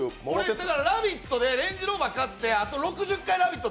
「ラヴィット！」でレンジローバー買ってあと６０回「ラヴィット！」